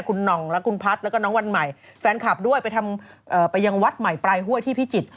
คุณหน่องและคุณพัฒน์แล้วก็น้องวันใหม่แฟนคลับด้วยไปทำไปยังวัดใหม่ปลายห้วยที่พิจิตร